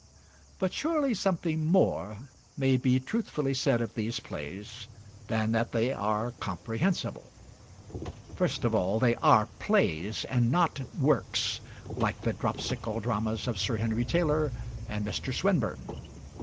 But surely something more may be truthfully said of these plays than that they are comprehensible. First of all, they are plays, and not works like the dropsical dramas of Sir Henry Taylor and Mr. Swinburne.